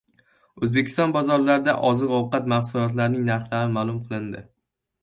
O‘zbekiston bozorlaridagi oziq-ovqat mahsulotlarining narxlari ma’lum qilindi